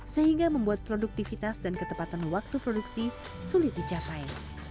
sehingga membuat produktivitas dan ketepatan waktu produksi sulit dicapai